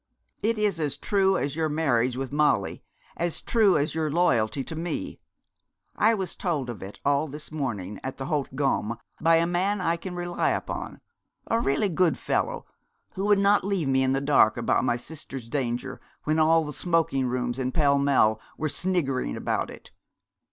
'It is as true as your marriage with Molly, as true as your loyalty to me. I was told of it all this morning at the Haute Gomme by a man I can rely upon, a really good fellow, who would not leave me in the dark about my sister's danger when all the smoking rooms in Pall Mall were sniggering about it.